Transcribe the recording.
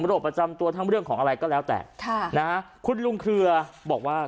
โรคประจำตัวทั้งเรื่องของอะไรก็แล้วแต่ค่ะนะฮะคุณลุงเครือบอกว่า